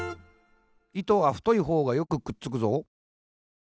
「糸は、太いほうがよくくっつくぞ。」